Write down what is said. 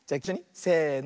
せの。